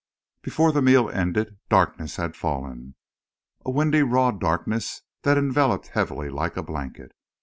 Before the meal ended darkness had fallen, a windy raw darkness that enveloped heavily like a blanket.